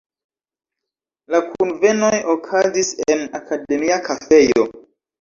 La kunvenoj okazis en Akademia kafejo.